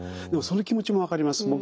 でもその気持ちも分かります。